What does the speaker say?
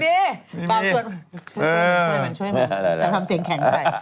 ช่วยมันช่วยมันช่วยมันจะทำเสียงแข็งได้